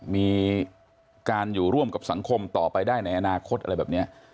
มีการอยู่ร่วมกับสังคมต่อไปได้ในอนาคตอะไรแบบนี้